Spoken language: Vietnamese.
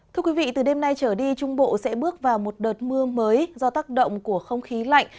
thưa quý vị từ đêm nay trở đi trung bộ sẽ bước vào một đợt mưa mới do tác động của không khí lạnh